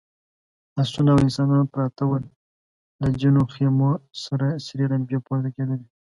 آسونه او انسانان پراته ول، له ځينو خيمو سرې لمبې پورته کېدلې….